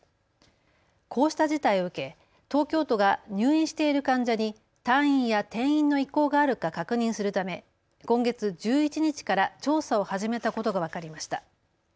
こうした事態を受け東京都が入院している患者に退院や転院の意向があるか確認するため今月１１日から調査を始めたことが分かりました。